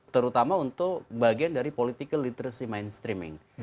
terutama untuk bagian dari political literacy mainstreaming